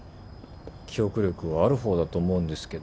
記憶力はある方だと思うんですけど。